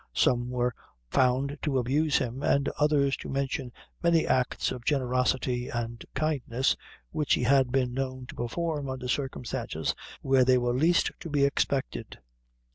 Some were found to abuse him, and others to mention many acts of generosity and kindness which he had been known to perform under circumstances where they were least to be expected.